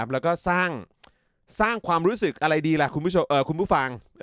แล้วก็สร้างความรู้สึกอะไรดีล่ะคุณผู้ฟัง